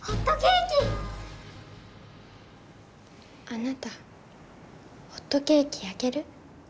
あなたホットケーキやける？